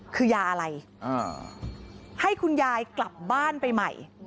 คือยาอะไรให้คุณยายกลับบ้านไปใหม่